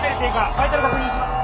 バイタル確認します。